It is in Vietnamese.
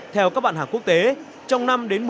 theo các bạn hàng quốc tế trong năm đến